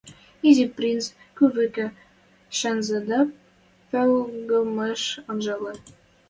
Изи принц кӱ вӹкӹ шӹнзӹ дӓ пӹлгомыш анжальы.